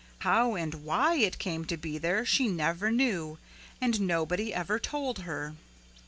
How and why it came to be there she never knew and nobody ever told her.